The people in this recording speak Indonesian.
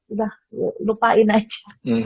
udah lupain aja